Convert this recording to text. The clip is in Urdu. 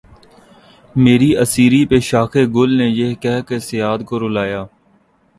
مری اسیری پہ شاخِ گل نے یہ کہہ کے صیاد کو رلایا